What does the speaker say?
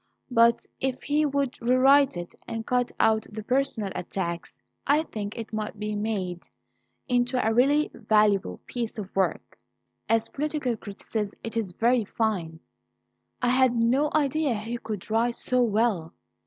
But if he would rewrite it and cut out the personal attacks, I think it might be made into a really valuable piece of work. As political criticism it is very fine. I had no idea he could write so well.